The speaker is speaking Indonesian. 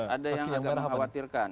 ada yang agak mengkhawatirkan